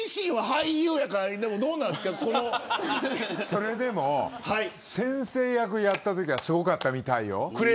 それでも先生役をやったときはすごかったみたい。